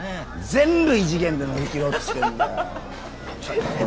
全部「異次元」で乗り切ろうとしてるんだよ！